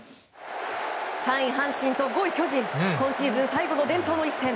３位、阪神と５位、巨人今シーズン最後の伝統の一戦。